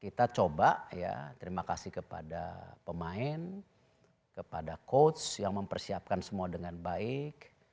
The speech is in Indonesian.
kita coba ya terima kasih kepada pemain kepada coach yang mempersiapkan semua dengan baik